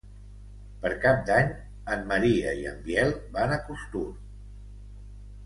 Per Cap d'Any en Maria i en Biel van a Costur.